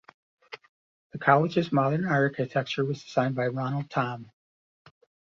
The college's modern architecture was designed by Ronald Thom.